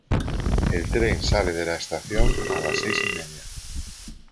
El tren sale de la estación a las seis y media